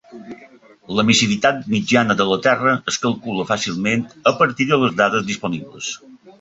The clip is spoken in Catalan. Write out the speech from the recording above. L'emissivitat mitjana de la terra es calcula fàcilment a partir de les dades disponibles.